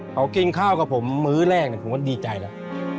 เขากินข้าวกับผมมื้อแรกผมก็ดีใจแล้ว